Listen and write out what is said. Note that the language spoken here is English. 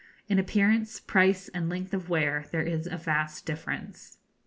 In appearance, price, and length of wear there is a vast difference.